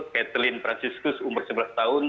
catheline franciscus umur sebelas tahun